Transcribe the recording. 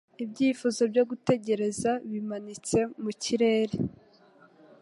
Ibyifuzo byo gutegereza bimanitse mu kirere.